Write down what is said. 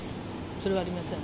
それはありません。